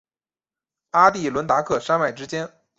阿第伦达克山脉之间。